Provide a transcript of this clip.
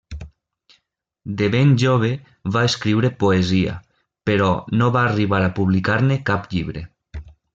De ben jove va escriure poesia, però no va arribar a publicar-ne cap llibre.